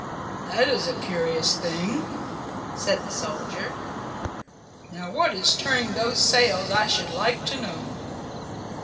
"That is a curious thing!" said the soldier. "Now what is turning those sails I should like to know."